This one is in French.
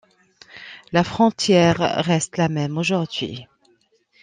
La frontière reste la même aujourd'hui.